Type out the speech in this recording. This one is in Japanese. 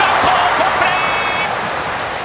好プレー！